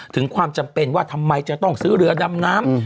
ถึงความจำเป็นว่าทำไมจะต้องซื้อเรือดำน้ำ